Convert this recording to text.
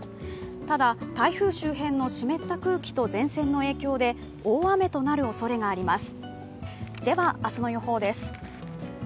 ただ、台風周辺の湿った空気と前線の影響で大雨となるおそれがあります。